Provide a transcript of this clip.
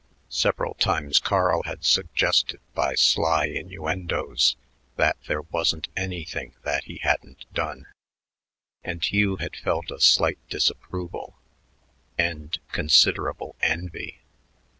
Several times Carl had suggested by sly innuendos that there wasn't anything that he hadn't done, and Hugh had felt a slight disapproval and considerable envy.